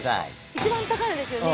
一番高いのですよね？